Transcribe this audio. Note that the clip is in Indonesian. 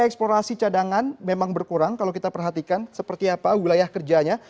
eksplorasi cadangan memang berkurang kalau kita perhatikan seperti apa wilayah kerjanya